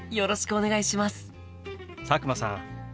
佐久間さん